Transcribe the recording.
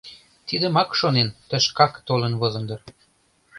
Тидымак шонен, тышкат толын возын дыр.